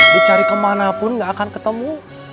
dicari kemanapun gak akan ketemu